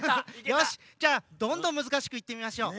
よしじゃあどんどんむずかしくいってみましょう！